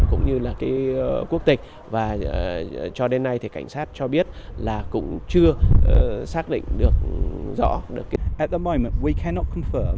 cũng như là cái quốc tịch và cho đến nay thì cảnh sát cho biết là cũng chưa xác định được rõ được